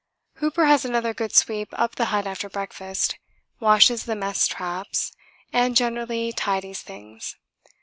Hooper has another good sweep up the hut after breakfast, washes the mess traps, and generally tidies things.